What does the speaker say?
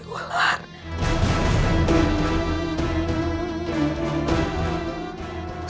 semarang tahu kak